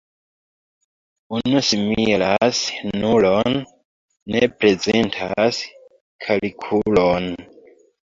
Unu similas nulon, ne prezentas kalkulon.